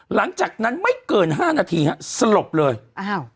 หลังจากนั้นไม่เกินห้านาทีฮะสลบเลยอ้าว